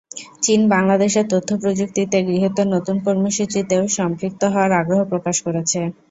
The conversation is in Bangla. চীন বাংলাদেশের তথ্যপ্রযুক্তিতে গৃহীত নতুন কর্মসূচিতেও সম্পৃক্ত হওয়ার আগ্রহ প্রকাশ করেছে।